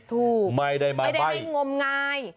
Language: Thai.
ถูกไม่ได้มาใบ้ถูกต้องไม่ได้ไม่งมงาย